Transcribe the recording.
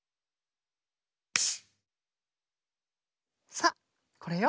さあこれよ。